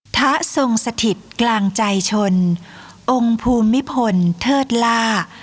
พระทรงสถิตกลางใจชนองค์ภูมิพลเทิดล่า